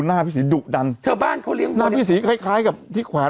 หน้าพี่ศรีดุดันเธอบ้านเขาเลี้ยงพี่ศรีคล้ายคล้ายกับที่แขวน